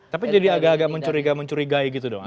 tapi jadi agak agak mencurigai mencurigai gitu dong